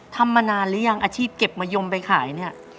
ทำมานานหรือยังอาชีพเก็บมะยมไปขายเนี่ย